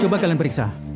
coba kalian periksa